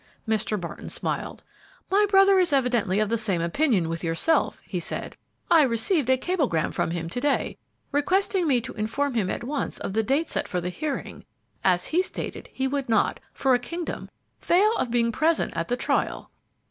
Mr. Barton smiled. "My brother is evidently of the same opinion with yourself," he said. "I received a cablegram from him to day, requesting me to inform him at once of the date set for the hearing, as he stated he would not, for a kingdom, fail of being present at the trial."